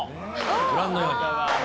ご覧のように。